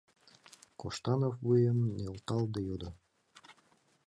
— Коштанов вуйым нӧлталде йодо.